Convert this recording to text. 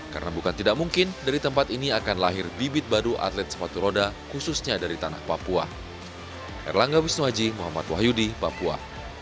karena bukan tidak mungkin dari tempat ini akan lahir bibit baru atlet sepatu roda khususnya dari tanah papua